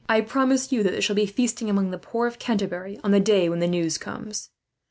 I promise you that there shall be feasting among the poor of Canterbury, on the day when the news comes.